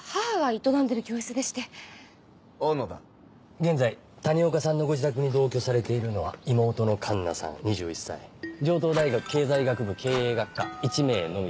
現在谷岡さんのご自宅に同居されているのは妹の奏奈さん２１歳城東大学経済学部経営学科１名のみです。